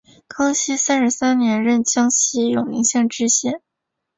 康熙三十三年任江西永宁县知县。